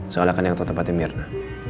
soalnya kan yang untuk tempatnya mirna